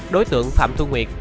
đối tượng phạm thu nguyệt